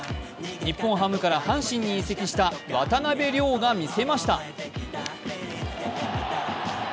日本ハムから阪神に移籍した渡邉諒が見せました。